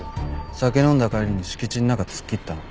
酒飲んだ帰りに敷地ん中突っ切ったの。